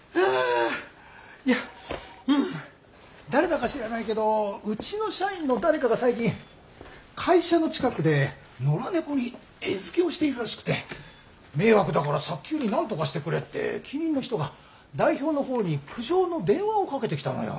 いや誰だか知らないけどうちの社員の誰かが最近会社の近くで野良猫に餌付けをしているらしくて迷惑だから早急になんとかしてくれって近隣の人が代表のほうに苦情の電話をかけてきたのよ。